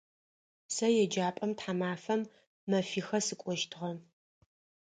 Сэ еджапӏэм тхьамафэм мэфихэ сыкӏощтыгъэ.